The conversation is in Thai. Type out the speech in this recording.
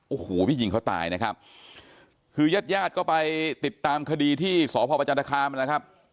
โอ้โหพี่ยิงเขาตายนะครับคือญาติญาติก็ไปติดตามคดีที่สพประจันทคามนะครับ